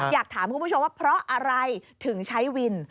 อยากถามคุณผู้ชมว่าเพราะอะไรถึงใช้วิน